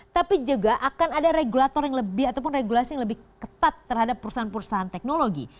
tapi juga akan ada regulator yang lebih ataupun regulasi yang lebih ketat terhadap perusahaan perusahaan teknologi